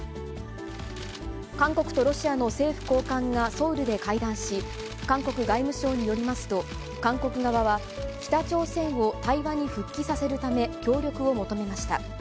韓国とロシアの政府高官がソウルで会談し、韓国外務省によりますと、韓国側は、北朝鮮を対話に復帰させるため、協力を求めました。